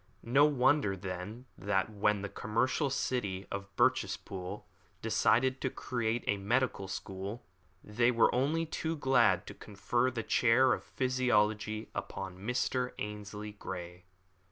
No wonder, then, that when the commercial city of Birchespool decided to create a medical school, they were only too glad to confer the chair of physiology upon Mr. Ainslie Grey.